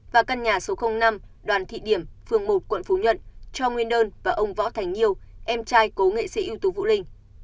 và căn nhà số năm đoàn thị điểm phường một quận phú nhuận cho nguyên đơn và ông võ thành nhiều em trai cố nghệ sĩ ưu tú vũ linh